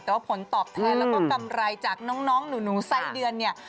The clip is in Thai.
แต่ว่าผลตอบแทนแล้วก็กำไรจากน้องหนูไส้เดือนเนี่ย